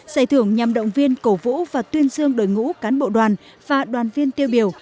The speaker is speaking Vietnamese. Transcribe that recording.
giải thưởng nhằm động viên cổ vũ và tuyên dương đội ngũ cán bộ đoàn và đoàn viên tiêu biểu